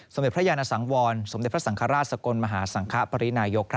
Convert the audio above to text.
เด็จพระยานสังวรสมเด็จพระสังฆราชสกลมหาสังคปรินายก